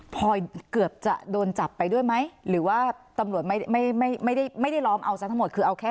พอยเกือบจะโดนจับไปด้วยไหมหรือว่าตำรวจไม่ไม่ได้ล้อมเอาซะทั้งหมดคือเอาแค่